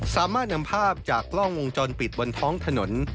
สามารถนำภาพจากกล้องวงจรปิดบนท้องถนน